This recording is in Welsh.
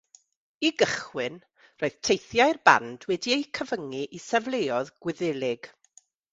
I gychwyn, roedd teithiau'r band wedi eu cyfyngu i safleoedd Gwyddelig.